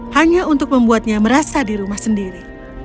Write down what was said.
hanya untuk membuatnya merasa di rumah sendiri